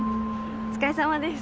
お疲れさまです。